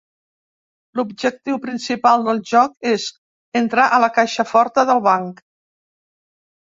L'objectiu principal del joc és entrar a la caixa forta del banc.